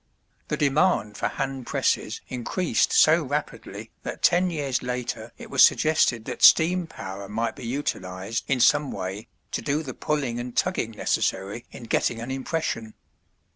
The demand for hand presses increased so rapidly that ten years later it was suggested that steam power might be utilized in some way to do the pulling and tugging necessary in getting an impression.